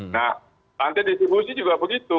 nah rantai distribusi juga begitu